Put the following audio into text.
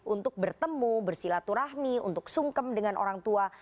untuk bertemu bersilaturahmi untuk sungkem dengan orang tua